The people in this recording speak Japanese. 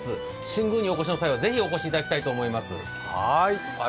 新宮にお越しの際はぜひお越しいただきたいと思います。